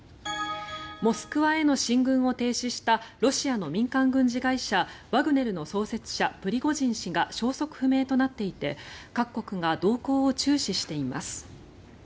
モスクワへの進軍を停止したロシアの民間軍事会社ワグネルの創設者、プリゴジン氏が消息不明となっていて各国が動向を注視しています。